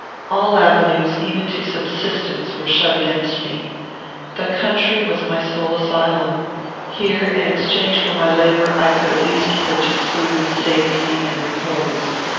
All avenues, even to subsistence, were shut against me. The country was my sole asylum. Here, in exchange for my labour, I could at least purchase food, safety, and repose.